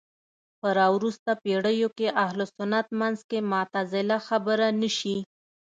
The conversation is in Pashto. په راوروسته پېړيو کې اهل سنت منځ کې معتزله خبره نه شي